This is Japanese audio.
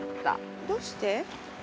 どうして？